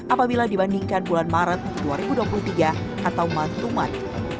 apabila dibandingkan bulan maret dua ribu dua puluh tiga atau matu mari